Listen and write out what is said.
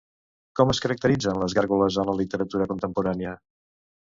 Com es caracteritzen les gàrgoles en la literatura contemporània?